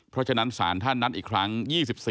เพราะฉะนั้นศาลท่านนัดอีกครั้ง๒๔กัญญาย่น